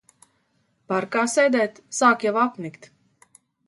Parkā sēdēt sāk jau apnikt.